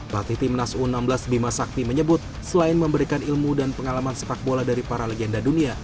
pelatih timnas u enam belas bima sakti menyebut selain memberikan ilmu dan pengalaman sepak bola dari para legenda dunia